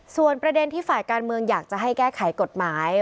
ส่วนประเด็นที่ฝ่ายการเมืองอยากจะให้แก้ไขกฎหมาย